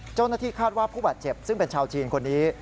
เจ้าหน้าที่คาดว่าผู้บาดเจ็บซึ่งเป็นชาวจีนคนนี้